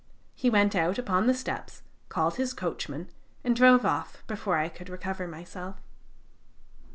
He went out upon the steps, called his coachman, and drove off before I could recover myself."